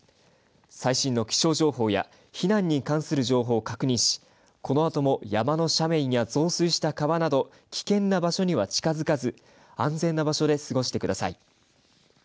最新の気象情報や避難に関する情報を確認し、このあとも山の斜面や増水した川など危険な場所には近づかず安全な場所で過ごしてください。